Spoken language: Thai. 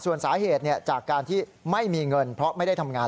ส่วนสาเหตุจากการที่ไม่มีเงินเพราะไม่ได้ทำงาน